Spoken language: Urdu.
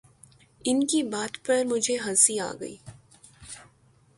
ان کی بات پر مجھے ہنسی آ گئی